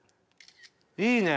いいね！